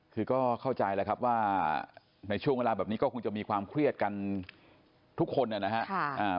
คือก็เข้าใจแล้วครับว่าในช่วงเวลาแบบนี้ก็คงจะมีความเครียดกันทุกคนนะครับ